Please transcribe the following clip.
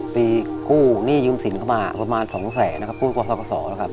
ปีกู้หนี้ยืมสินเข้ามาประมาณสองแสนนะครับ